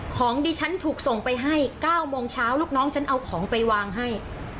ของดิฉันถูกส่งไปให้๙โมงเช้าลูกน้องฉันเอาของไปวางให้